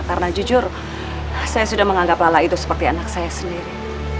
karena jujur saya sudah menganggap lala itu seperti anak saya sendiri